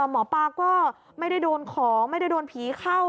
หมอปลาก็ไม่ได้โดนของไม่ได้โดนผีเข้า